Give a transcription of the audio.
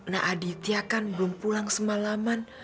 nah aditya kan belum pulang semalaman